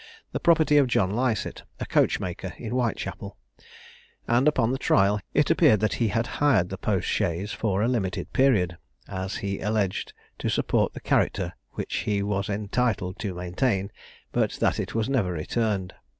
the property of John Lycett, a coachmaker in Whitechapel; and upon the trial, it appeared that he had hired the post chaise fora limited period, as he alleged to support the character which he was entitled to maintain, but that it was never returned.